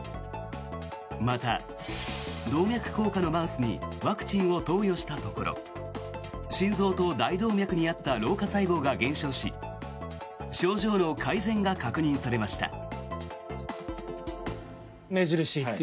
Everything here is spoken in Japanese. また、動脈硬化のマウスにワクチンを投与したところ心臓と大動脈にあった老化細胞が減少し症状の改善が確認されました。